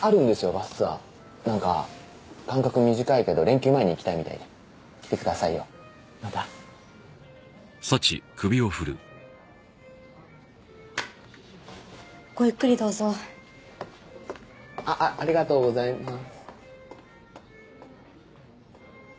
バスツアーなんか間隔短いけど連休前に行きたいみたいで来てくださいよまたごゆっくりどうぞあっありがとうございます